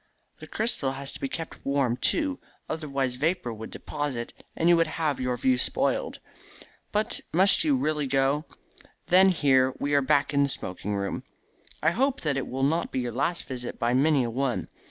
The crystal has to be kept warm, too, otherwise vapour would deposit, and you would have your view spoiled. But must you really go? Then here we are back in the smoking room. I hope that it will not be your last visit by many a one.